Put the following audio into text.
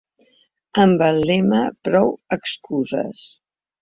Amb el lema Prou excuses.